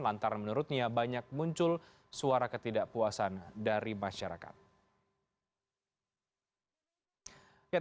lantaran menurutnya banyak muncul suara ketidakpuasan dari masyarakat